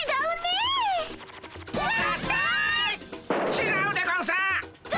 ちがうでゴンス。